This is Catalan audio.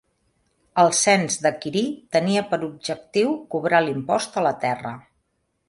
El cens de Quirí tenia per objectiu cobrar l'impost a la terra.